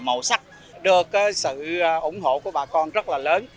màu sắc được sự ủng hộ của bà con rất là lớn